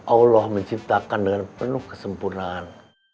allah menciptakan dengan penuh kesempurnaan